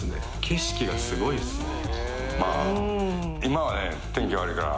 景色がすごいですね。